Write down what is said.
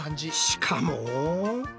しかも。